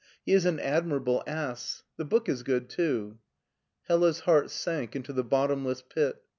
He is an admirable ass. The book is good, too." Hella^s heart sank into the bottomless pit.